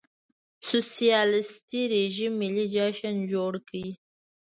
سوسیالېستي رژیم ملي جشن جوړ کړ.